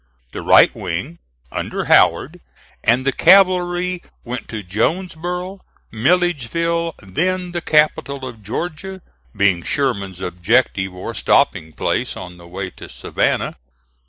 The right wing, under Howard, and the cavalry went to Jonesboro, Milledgeville, then the capital of Georgia, being Sherman's objective or stopping place on the way to Savannah.